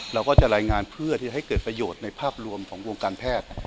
เราก็จะรายงานเพื่อที่ให้เกิดประโยชน์ในภาพรวมของวงการแพทย์